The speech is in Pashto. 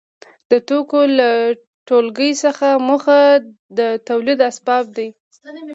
د توکو له ټولګې څخه موخه د تولید اسباب دي.